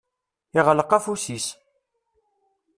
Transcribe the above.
Iɣleq afus-is.